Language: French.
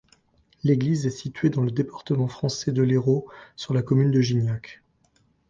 L'église est située dans le département français de l'Hérault, sur la commune de Gignac.